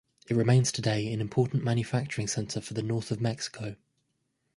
It remains today an important manufacturing centre for the north of Mexico.